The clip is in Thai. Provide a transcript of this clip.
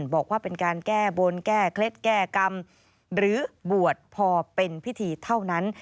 บอกว่าเป็นการแก้บนแก้เคล็ดแก้กรรมหรือบวชพอเป็นพิธีเท่านั้น